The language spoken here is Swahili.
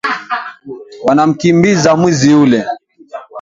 Wanamkimbiza mwizi yule